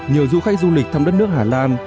nhiều du khách du lịch thăm đất nước hà lan